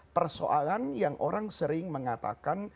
persoalan yang orang sering mengatakan